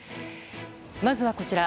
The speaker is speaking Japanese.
まずはこちら。